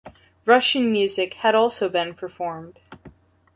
Russian music had also been performed.